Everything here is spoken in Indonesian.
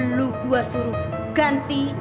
lo gua suruh ganti